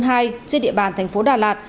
trên địa bàn thành phố đà lạt